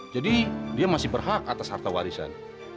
jadi dia masih berhak atas harta warisan